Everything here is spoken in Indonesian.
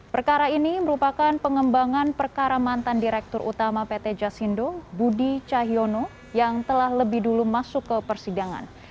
perkara ini merupakan pengembangan perkara mantan direktur utama pt jasindo budi cahyono yang telah lebih dulu masuk ke persidangan